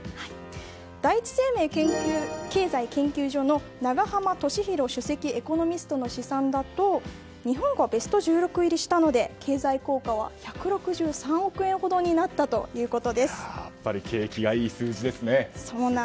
第一生命経済研究所の永濱利廣首席エコノミストの試算だと日本がベスト１６入りしたので経済効果は１６３億円ほどにやっぱり景気がいい数字ですね。